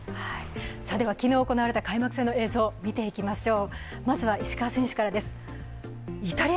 昨日行われた開幕戦の映像、みていきましょう。